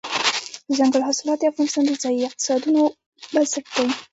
دځنګل حاصلات د افغانستان د ځایي اقتصادونو بنسټ دی.